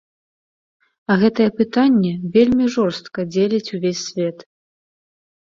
А гэтае пытанне вельмі жорстка дзеліць увесь свет.